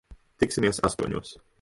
Tiksimies astoņos.